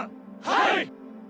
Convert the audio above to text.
はい！